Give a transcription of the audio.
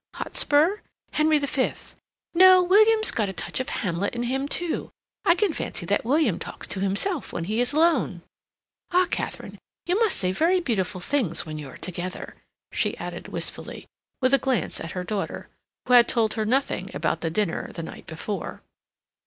Hotspur? Henry the Fifth? No, William's got a touch of Hamlet in him, too. I can fancy that William talks to himself when he's alone. Ah, Katharine, you must say very beautiful things when you're together!" she added wistfully, with a glance at her daughter, who had told her nothing about the dinner the night before.